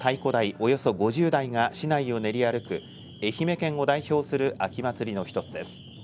およそ５０台が市内を練り歩く愛媛県を代表する秋祭りの一つです。